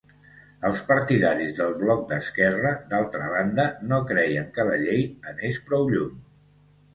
Els partidaris del bloc d'esquerra, d'altra banda, no creien que la llei anés prou lluny.